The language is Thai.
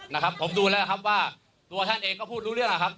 นะครับผมดูแล้วครับว่าตัวท่านเองก็พูดรู้เรื่องนะครับ